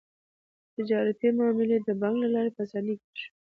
تجارتي معاملې د بانک له لارې په اسانۍ کیږي.